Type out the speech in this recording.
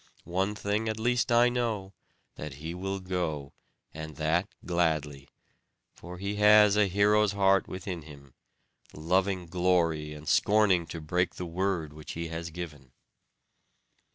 One thing at least I know, that he will go, and that gladly; for he has a hero's heart within him; loving glory, and scorning to break the word which he has given."